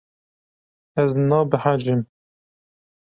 Ez nabehecim.